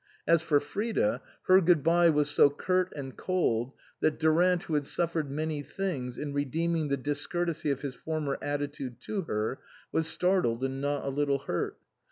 As for Frida, her good bye was so curt and cold that Durant, who had suffered many things in redeeming the discourtesy of his former attitude to her, was startled and not a little hurt.